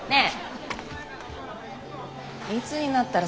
ねえ。